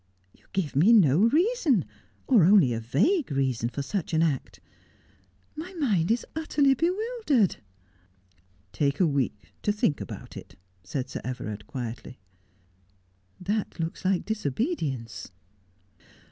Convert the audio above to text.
You give me no reason, or only a vague reason, for such an act. My mind is utterly bewildered.' ' Take a week to think about it,' said Sir Everard, quietly. ' That looks like disobedience.'